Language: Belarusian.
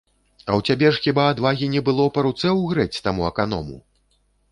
А ў цябе ж хіба адвагі не было па руцэ ўгрэць таму аканому?